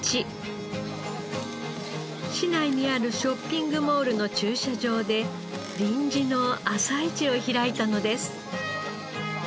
市内にあるショッピングモールの駐車場で臨時の朝市を開いたのです。